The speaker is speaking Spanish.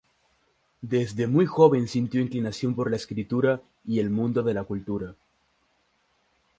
Desde muy joven sintió inclinación por la escritura y el mundo de la cultura.